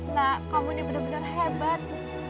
nah kamu ini benar benar hebat